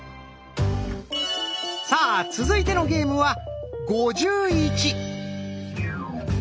さあ続いてのゲームは「５１」。